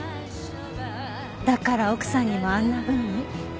だから奥さんにもあんなふうに？